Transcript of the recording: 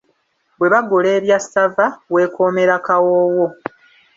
"Bwe bagula ebya ssava, weekoomera kawoowo."